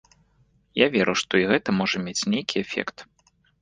Я веру, што і гэта можа мець нейкі эфект.